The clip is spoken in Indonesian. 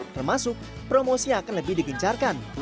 termasuk promosinya akan lebih digincarkan